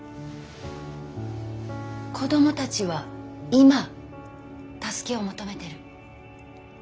子供たちは今助けを求めてる。